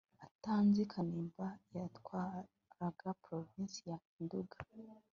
Atanazi Kanimba yatwaraga Provinsi ya Nduga